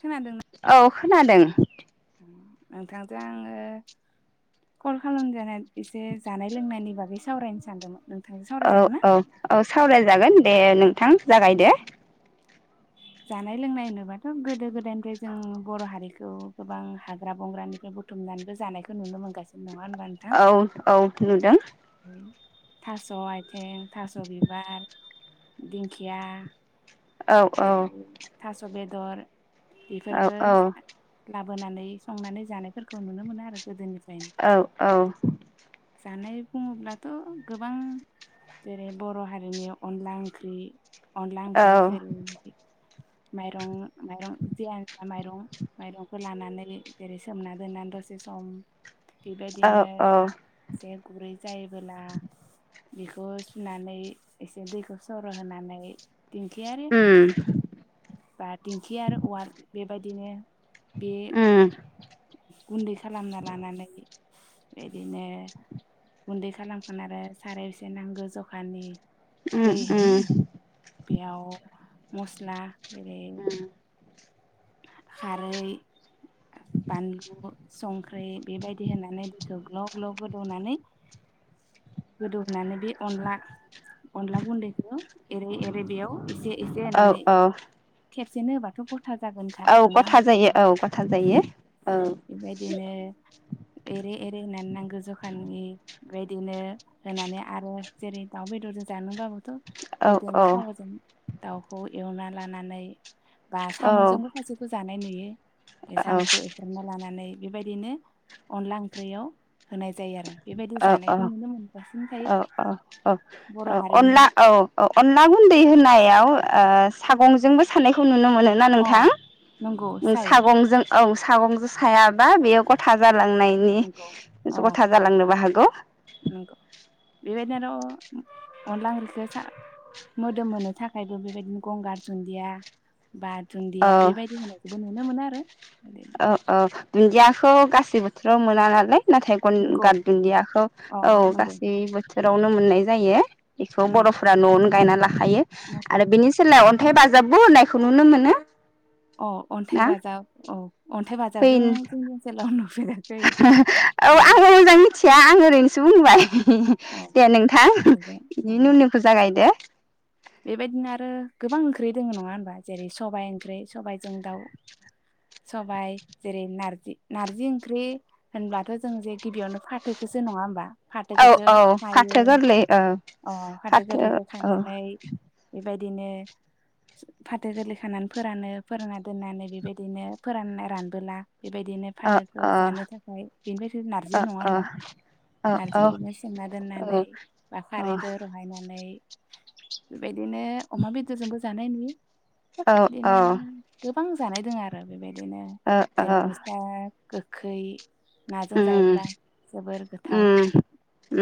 खोनादों औ खोनादों नोंथांजों आङो कल खालामजानाय एसे जानाय लोंनायनि बागै सावरायनो सानदोंमोन नोंथांजों औ सावरायजागोन ना? औ औ सावराय जागोन दे नों नोंथां जागाय दो जानाय लोंनाय होनोबाथ' गोदो गोदायनिफ्राय जों बर' हारिखौ गोबां हाग्रा बंग्रानिफ्राय बुथुमनानैबो जानायखौ नुनो मोनगासिनो दङ। औ औ नुदों थास' आदि हें थास' बिबार दिंखिया औ जेरै औ थास' बेद दर औ बिफोरखो जान लाब बोनानै संनानै जानायफोरखौ नुनो मोनो आरो गोदोनि औ औ। जानाय बुङोब्लाथ' गोबां जेरै बर' हारिनि अनला ओंख्रि। अनला औ ओंख्रि [unintelligible] माइरं माइरं जियानो जा माइरं माइरंखौ लानानै जेरै सोमना दोननानै दसे सम औ बिबायदिनो औ जे गुरै जायोबोला बिखौ सुनानै एसे दैखौ सर' होनानै दिंखियारि उम बा दिंखि आर उवाल बेबायदिनो बे उम गुन्दै खालामना लानानै बेदिनो गुन्दै खालामखान आरो सारायाव एसे नांगौ जखानि उम दै उम। बेयाव मस्ला जेरै उम खारै, बानलु, संख्रै बेबायदि होनानै बेखौ ग्लब ग्लब गोदौनानै गोदौनानै बे अनला अनला गुन्दैखौ एरै एरै बेयाव एसे एसेे औ होनानै औ खेब सेनो होबाथ' गथा जागोनखा औ नोङा? गथा जायो औ गथा जायो औ बेबायदिनो एरै एरै होनानै नांगो जखानि बेबायदिनो होनानै आरो जेरै दाउ बेदरजों जानोबाबोथ' औ बेदिनो थावजों दाउखौ एवना लानानै बा सामुस जोंबो खायसेखौ जानाय नुयो साम'खौ एवफ्रामना लानानै बिबायदिनो अनला ओंख्रैयाव होनायज जायो आरो बेबायदि जानायखौ नुनो मोनबास औ औ औ औ हारिनि अनला औ औ अनला गुन्दै होनाय याव ओ सागंजोंबो सानायखौ नुनो मोनो ना अ नोंथां? नंगौ नि सायो सागंजों औ सागंजों सायाबा बेयो गथा जा फ्लांनायनि नंगौ अ गथा जालांनोबो हागौ। बिबायदिनो आर अनला ओंख्रिखो सा मोदोम होनो थाखायबो बेबायदिनो गंगार दुन्दिया बा दुन्दिया औ बेबायदि होनायखौबो नुनो मोनो। [inaudible] औ औ दुन्दियाखौ गासै बोथोराव मोना नालाय। नाथाय गन नंगौ गार दुन्दियाखौ अ औ नंगौ गासै बोथोर आवनो मोननाय जायो। बेखौ उम बर'फोरा न'आवनो गायना ला खायो नंगौ आरो बिनि सोलायाव अन थाय बाजाबबो होननायखौ नुनो मोनो। अ अन्थाइ ना बाजाब अ। अन्थाइ बाजाबजों जोंनि ओनसोलाव नुफेराखै उम नथिया आं ओरैनोसो बुंबाय। [unintelligible] अ दे नोंथां बेजों अ बिनि उननिखौ जागायदो। बेबायदिनो आरो गोबां ओंख्रि दोङो नङा होनबा जेरै सबाइ ओंख्रि सबाइजों दाउ सबाइ जेरै नारजि नारजि ओंख्रि होनब्लाथ' जों जे गिबियावनो फाथोखोसो नङा होमबा? औ फाथोखौसो औ खायो फाथो गोरलै ओ अ फाथो ओ। बायदिनो फाथो गोरलै खानानै फोरानो फोरानना दोननानै बेबायदिनो फोरानना रानबोला बेबायदिनो औ फाथोखौ औ जानो थाखाय बेनिफ्राय नार्जि नङा होनबा नार्जिखौ बिदिनो सोमना दोननानै बा खारैदो रहायनानै बेबायदिनो अमा बेदरजोबो जानाय नुयो। बिदिनो गोबां जानाय दोङो आरो बेबायदिनो जेरै मिसथा गो खै उम गोथाव उम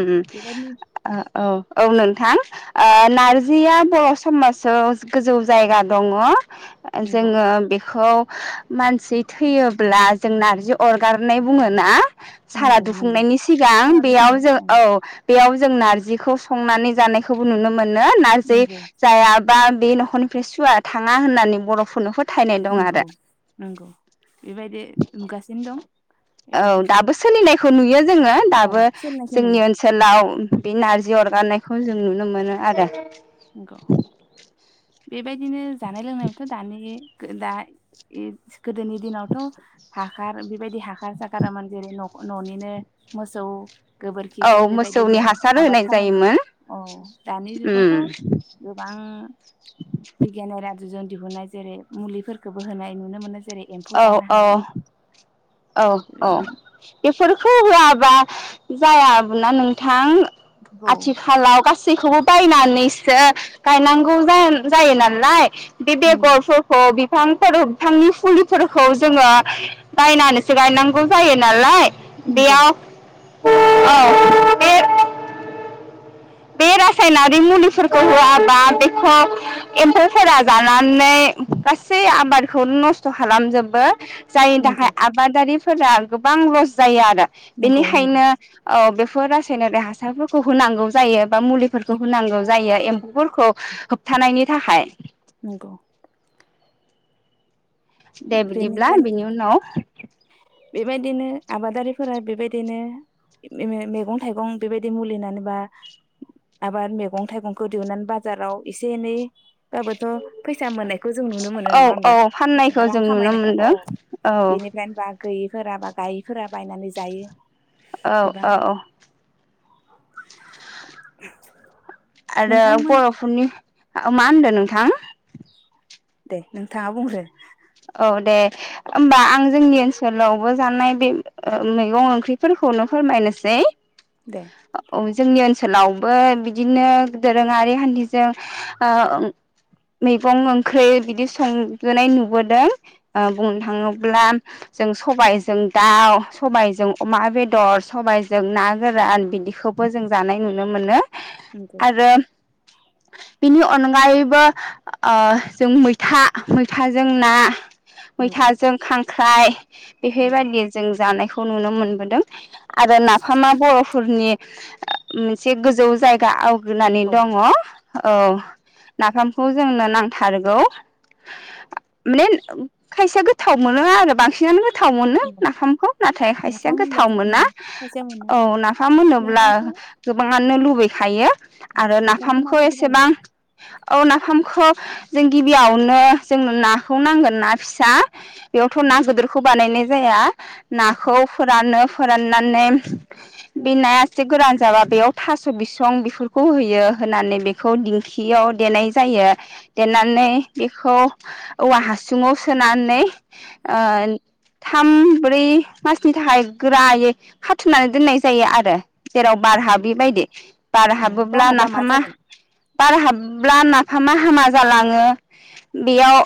उम बेबायदि ओ औ औ नोंथां। ओ नारजिया बर' समासावव गोजौ जायगा दङ? ओ नंगौ जोङो बेखौ मानसि थैयोब्ला जों नारजि अरगारनाय बुङो। ना? सारा नंगौ नंगौ दुफुंनायनि सिगां सारादुखौनो बेयाव जो ओं औ बेयाव जों नारजिखौ संनानै जानायखौबो नुनो मोनो नारजि नंगौ जायाबा बे न'खरनिफ्राय सुवा थाङा होननानै बर'फोरनो फोथ नोंगौ नोंगौ बेबायदि नुगासिनो दं। औ बिदिनो जा दाबो सोलिनाय खौ नुयो। जोङो औ दाबो सोलिनाय खोनायो जोंनि ओनसोलाव बे नारजि अरगारनायखौ जों नुनो मोनो आरो। ग' बेबायदिनो जानाय लोंनायावबोथ' दानि गो दा इस गोदोनि दिनावथ' हाखार बेबायदि हाखार साखारामोन जेरै न न'निनो मोसौ गोबोरखिजों औ मोसौनि बेबायदिनो हासार आबाद होनाय खालामोमोन जायोमोन औ दानि उम जुगावथ' गोबां बिगियानारि आदबजों दिहुननाय जेरै मुलिफोरखोबो होनाय नुनो मोननाय औ औ औ औ बेफोरखौ होवा बा जायाबोना नोंथां। औ आथिखालाव गास गासैखौबो बायनानैसो गायनांगौ जा जायो नालाय बे नंगौ बेगरफोरखौ बि बिफांफोर बिफांनि फुलि फोरखौ जोङो बायनानैसो गायनांगौ जायो नालाय। नंगौ बेयाव [unintelligible] औ बे बे रासायनारि मुलिफोरखौ होआबा बेखौ एम्फौफोरा जानानै गासै आबादखौ नस्थ' खालामजोबो। जायनि नंगौ थाखाय आबादारि फोरा गोबां लस जायो आ दा नंगौ नंगौ बिनिखायनो ओ बेफ फोर रासायनारि हासारफोरखौ होनांगौ जायो बा मुलिफोरखौ होनांगौ जायो एम्फौफोरखौ होबथानायनि थाखाय। नोंगौ। दे बिदिब्ला बेनिखायनो बेनि उनाव बेबायदिनो आबादारिफोरा बेबायदिनो मे मैगं थाइगं बेबायदि मुलिनानै बा आबाद मैगं थाइगंखौ दिहुननानै बाजाराव एसे एनै बाबोथ' फैसा मोननायखौ जों नुनो मोनो। नङा औ होमबा? औ फाननायखौ रां जों नुनो खामायनायखौ औ मोनदों औ बेनिफ्राय बा गैयिफोरा बा गायिफोरा बायनानै जायो औ गोबां औ औ [inaudible] आरो नोंथांमोन बर'फोरनि औ मा होनदों नोंथां? दे नोंथाङा बुंग्रो औ दे होमबा आं जोंनि ओनसोलावबो जानाय बे ओ मैगं ओंख्रिफोरखौनो फोरमायनोसै। दे औ जोंनि ओनसोल ओनसोलावबो बिदिनो दोरोङारि खान्थि जों ओ मैगं ओंख्रि बिदि संबोनाय नुबो दों ओ बुंनो थाङोब्ला जों सबायजों दाउ सबायजों अमा बेदर सबायजों ना गोरान बिदिखौबो जों जानाय नुनो मोनो। नंगौ आरो बिनि अनगायैबो ओ जों मैथा मैथाजों ना नंगौ मैथाजों खांख्राय [unintelligible] नंगौ बेफोरबायदि जों जानायखौ खौ नुनो मोनबोदों आरो नाफामा बर'फोरनि मोनसे गोजौ जायगा आवग्रिनानै नंगौ दङ औ नाफामखौ जोंनो नांथारगौ खायसेया गोथाव मोनो आरो बांसिनानो गोथाव गोथाव मोनो नंगौ नाफामखौ नाथाय खासेया नाफाम गोथाव होनब्लाथ' मोना सासेया मोना औ नाफाम होनोब्ला नाफामखौ गोबाङानो लुबैखायो आरो नाफामखौ माबायदि एसेबां बानायो औ नाफामखौ जों गिबियावनो जोंनो ना खौ नांगोन ना फिसा बेयावथ' ना गिदिरखौ बानायनो जाया नंगौ नाखौ फोराननो फोराननानै बे नाया एसे गोरान जाबा बेयाव थास' बिसं बेफोरखौ होयो। होनानै बेखौ दिंखियाव देनाय जायो देनानै बिखौ औवा हासुङाव सोनानै ओ थाम ब्रै मासनि थाखाय गोरायै खाथुमनानै दोननाय जायो आरो। जेराव बार हाबि नंगौ बायदि बार औ हाबोब्ला बाराबा मा नाफामा जागोन बार हाब ब्ला नाफामा हामा जालाङो। बेयाव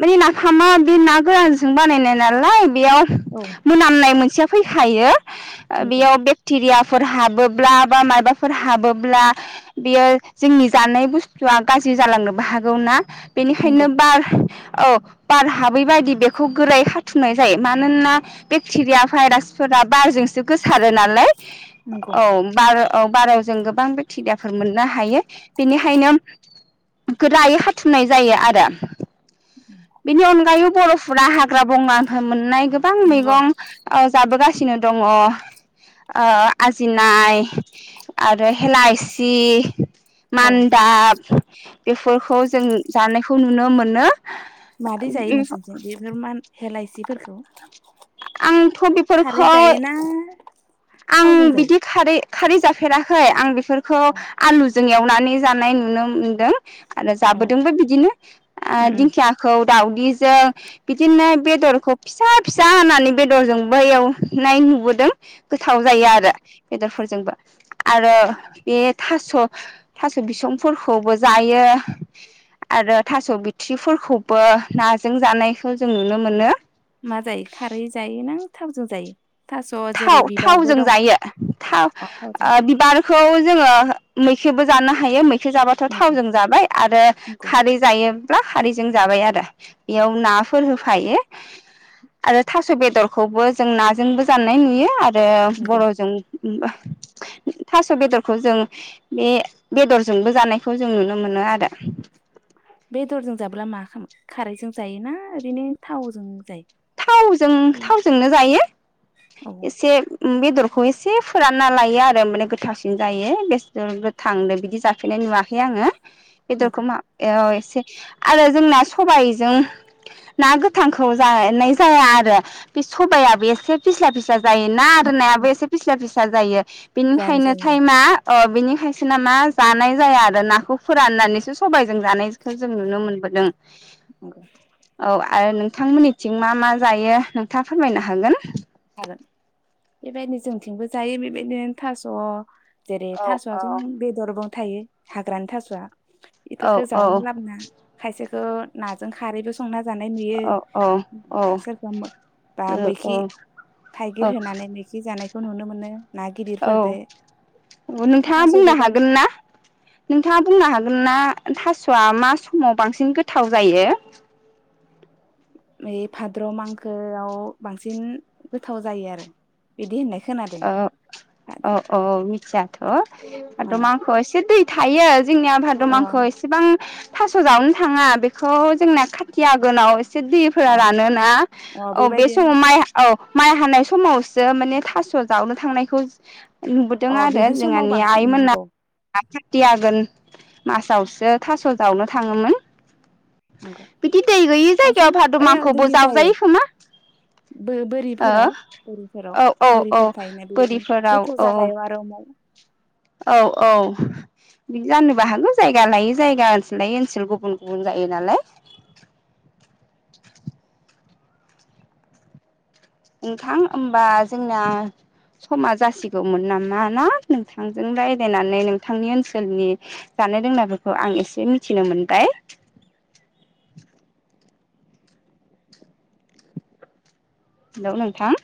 माने नाफामा बे ना गोरानजों बानायनाय नालाय बेयाव औ मोनामनाय मोनसेया फैय खायो। ओ नंगौ बेयाव बेक्टेरिया फोर हाबोब्ला बा माबाफोर हाबोब्ला बियो जोंनि जानाय बुस्थुआ गाज्रि जालांनोबो हागौ ना। बेनिखायनो नंगौ बार औ बार हाबै बायदि बेखौ गोरायै खाथुमनाय जायो मानोना बेक्टेरिया भाइरासफोरा बारजोंसो गोसारो नालाय। नंगौ औ बार औ बारायाव जों गोबां बेक्टेरियाफोर मोननो हायो बिनिखायनो गोरायै खाथुमनाय जायो आरो। बिनि अनगायो बर'फोरा हाग्रा बंग्रानिफाय मोननाय गोबां नंगौ मैगं ओ जाबोगा सिनो दङ ओ आजिनाय आरो हेलाइसि औ मानदाब, बेफोरखौ जों जानायखौ नुनो मोनो। मादि जायो नोंसिनिथिं बेफोर मान हेलायसि फोरखौ। आं थ' बेफोरखौ आं थावजों जायो बिदि खारै खारि जाफेराखै आं बे फोरखौ औ आलु जों एवनानै जानाय नुनो मोनदों। आरो जाबोदोंबो बिदिनो ओ उम उम दिंखियाखौ दावदिजों बिदिनो बेदरखौ फिसा फिसा हानानै बेदरजोंबो एवनाय नुबोदों। गोथाव जायो औ आरो। बेदरफोरजोंबो आरो बे था स' थास' बिसंफोरखौबो जायो आरो थास' बिथ्रिफोरखौबो नाजों जानायखौ जों नुनो मोनो। मा जायो खारै जायो ना थावजों जायो। थास' जेरै थाव बिबारबो थावजों दं जायो थाव अ ओ थावजों बिबारखौ जोङो मैखोबो जानो हायो मै खि जाबाथ' नंगौ थावजों जाबाय आरो नंगौ खारै जायो ब्ला खारैजों जाबाय आरो बेयाव नाफोर हो फायो आरो थास' बेदरखौबो जों नाजोंबो जा नाय नुयो ए नंगौ बर'जों उ थास' बेदरखौ जों बे बेदरजोंबो जानायखौ जों नुनो मोनो आरो बेदरजों जाब्ला मा खालामो खारैजों जायोना ओरैनो थावजों जायो थावजों थावजोंनो जायो औ एसे उ बेदरखौ एसे फोरानना लायो आरो माने गोथावसिन जायो बेसर गोथांदों बिदि जाफेरनाय नुवाखै आङो बेदर नंगौ खोमा एसे आरो जोंना सबायजों ना गोथांखौ जा नाय जाया आरो बे सबाइयाबो एसे फिस्ला फिस्ला जायोना आरो नंगौ नायाबो एसे फिस्ला फिस्ला जा जायो बेनिखायनो जायो र' टाइमा अ बिनिखायसो नामा जानाय जाया आरो नाखौ फोराननानैसो सबायजों जानायखौ जों नुनो मोनबोदों औ [unintelligible] आरो नोंथांमोननि थिं मा मा जायो नोंथाङा फोरमायनो हागोन जागोन बेबायदिनो जोंथिंबो जायो बेबायदिनो थास' जेरै औ थास'वाथ' नों बेदरबो थायो हाग्रानि थास'आ औ बेफोरखौ औ जावना लाबोना खायसेखौ नाजों खारैबो संना जानाय नुयो औ सोरबा औ ना सोरबा मो बा औ मैखि थाइगिर औ होनानै मिजि जा जानायखौ नुनो मोनो ना गिदिरफोरदो औ नोंथाङा थास' बुंनो बिबारजों हागोन ना नोंथाङा बुंनो हागोन ना थास'आ मा समाव बांसिन गोथाव जायो बै भाद्र' मांखोआव बांसिन गोथाव जायो आरो बिदि होननाय खोनादों औ औ भाद्र' औ मिथिया थ' अ भाद्र मांखोआव एसे दै थायो जोंनिया भाद्र अ मांखोआव एसेबां थास' जावनो थाङा बेखौ जोंना खाथि आगोनाव एसे दैफोरा अ रानोना अ औ बे बेबायदि समाव माइ औ माइ हानाय समावसो माने थास' थास' जावनो थांनायखौ नुबोदों अ आरो बिदि समाव जोंहानि बांसिन आइ मोनना नंगौ खाथि आगोन मासावसो थास' जावनो थाङोमोन नंगौ बिदि दै गैयि बांसिन जायगायाव भाद्र ओइ मांखौबो बिदि जायो जावजायो खोमा बो ओ बोरिफोराव बोरिफोराव औ औ औ ओ बोरिफोर थायोना बेबायदिनो बोरिफोराव गोथौ औ जागायाव आरो औ औ बिदि जानोबो हागौ जायगा लायै जायगा ओनसोल लायै ओनसोल गुबुन गुबुन जायो नालाय नोंथां होमबा जोंना समा जासिगौमोन नामा ना नोंथांजों रायलायनानै नोंथांनि ओनसोलनि जानाय लोंनायफोरखौ आं एसे मिथिनो मोनबाय हेलौ नोंथां